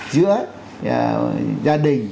giữa gia đình